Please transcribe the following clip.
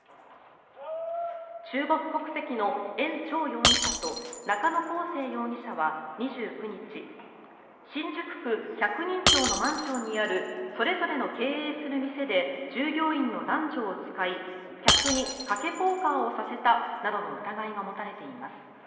中国国籍のエン・チョウ容疑者と中野耕生容疑者は２９日新宿区百人町のマンションにあるそれぞれの経営する店で従業員の男女を使い客に賭けポーカーをさせたなどの疑いが持たれています。